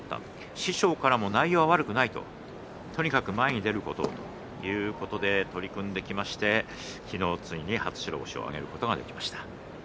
師匠からも内容は悪くないとにかく前に出ることと言われて取り組んできまして昨日ついに初白星を挙げることができました。